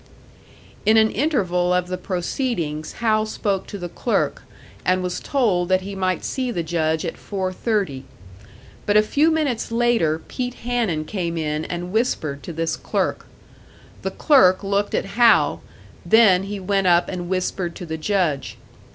In an interval of the proceedings, Hal spoke to the clerk, and was told that he might see the judge at four thirty; but a few minutes later Pete Hanun came in and whispered to this clerk. The clerk looked at Hal, then he went up and whispered to the Judge.